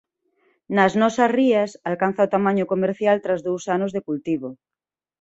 Nas nosas rías alcanza o tamaño comercial tras dous anos de cultivo.